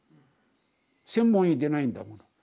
専門医でないんだもの。